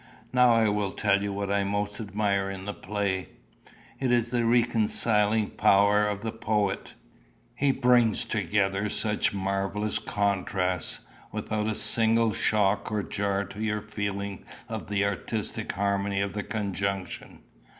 Now I will tell you what I most admire in the play: it is the reconciling power of the poet. He brings together such marvellous contrasts, without a single shock or jar to your feeling of the artistic harmony of the conjunction.